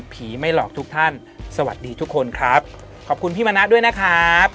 ไม่หลอกทุกท่านสวัสดีทุกคนครับขอบคุณพี่มณะด้วยนะครับ